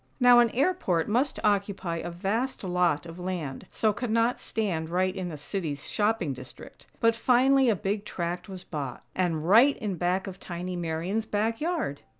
Now an airport must occupy a vast lot of land, so cannot stand right in a City's shopping district; but finally a big tract was bought, and right in back of tiny Marian's back yard!